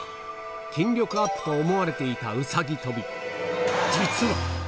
筋力アップと思われていたうさぎ跳び、実は！